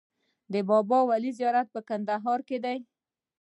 د بابای ولي زیارت په کندهار کې دی